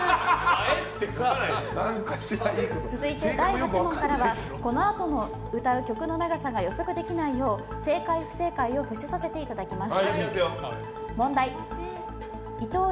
続いて第８問からはこのあとの歌う曲の長さが予測できないよう正解・不正解を伏せさせていただきます。